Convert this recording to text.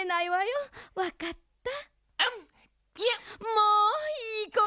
もういいこね。